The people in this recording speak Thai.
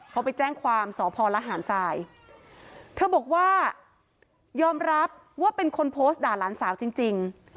เขาไปแจ้งความสพลหารทรายเธอบอกว่ายอมรับว่าเป็นคนโพสต์ด่าหลานสาวจริงจริง